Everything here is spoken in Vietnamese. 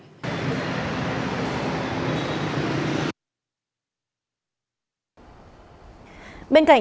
bên cạnh nhiều dịch vụ này